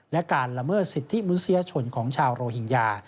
และการละเมิดสิทธิมนุษยชนของชาวโรฮิงญา